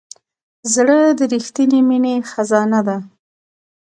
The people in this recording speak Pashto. زړه د رښتینې مینې خزانه ده.